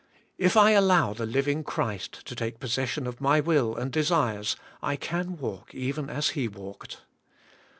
If I allow the living Christ to take possession of my will and desires, I can walk even as He walked.